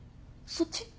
そっち？